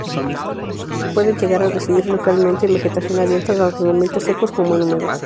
Pueden llegar a residir localmente en vegetación abierta tanto en ambientes secos como húmedos.